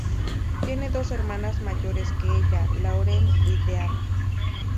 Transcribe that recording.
Tiene dos hermanas mayores que ella: Lauren y Deanna.